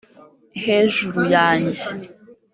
hejuru yanjye.